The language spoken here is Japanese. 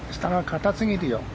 下が硬すぎるよ。